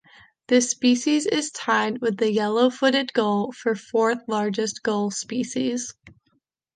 This species is tied with the Yellow-footed Gull for fourth largest gull species.